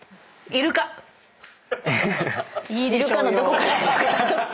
イルカのどこからですか？